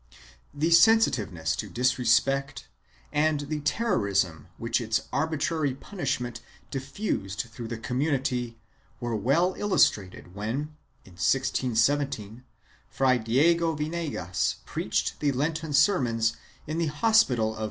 1 The sensitiveness to disrespect and the terrorism which its arbitrary punishment diffused through the community were well illustrated when, in 1617, Fray Diego Vinegas preached the Lenten sermons in the Hospital of N.